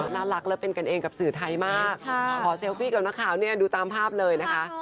น่ารักและเป็นกันเองกับสื่อไทยมากขอเซลฟี่กับนักข่าวเนี่ยดูตามภาพเลยนะคะ